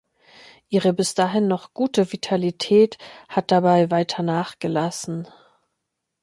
Ihre bis dahin noch gute Vitalität hat dabei weiter nachgelassen.